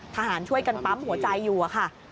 ทหารช่วยกันปั๊มหัวใจอยู่ค่ะ